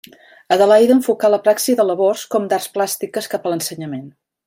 Adelaida enfocà la praxi de labors com d'arts plàstiques cap a l’ensenyament.